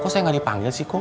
kok saya gak dipanggil sih kum